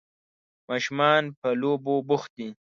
ماشومان په لوبو بوخت دي.